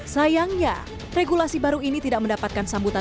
sayangnya regulasi baru ini tidak mendapatkan sambutan